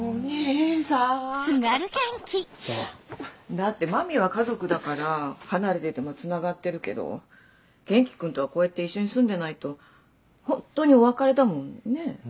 だって麻美は家族だから離れててもつながってるけど元気君とはこうやって一緒に住んでないとホントにお別れだもんねぇ？